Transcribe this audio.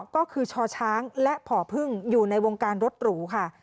ก็คือชช้างและผ่อพึ่งอยู่ในวงการรถหรูค่ะ